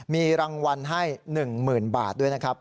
มีรางวัลให้๑๐๐๐บาทด้วยนะครับ